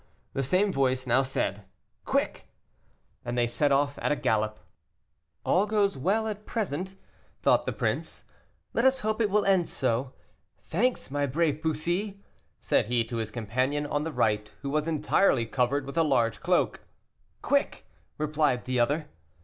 The same voice now said, "Quick!" And they set off at a gallop. "All goes well at present," thought the prince, "let us hope it will end so. Thanks, my brave Bussy," said he to his companion on the right, who was entirely covered with a large cloak. "Quick!" replied the other.